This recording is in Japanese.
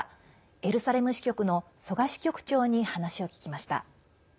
エルサレム支局の曽我支局長に話を聞きました。